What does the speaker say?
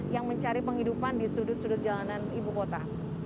yang mencari penghidupan di sudut sudut jalanan ibu kota